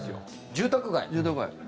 住宅街。